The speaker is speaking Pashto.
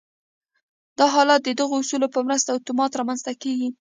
دا حالت د دغو اصولو په مرسته اتومات رامنځته کېږي